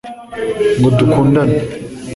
ngo dukundane